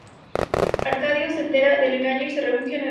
Arcadio se entera del engaño y se refugia en el alcohol.